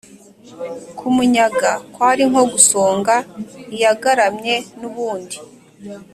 Kumunyaga kwari nko gusonga iyagaramye n’ubundi.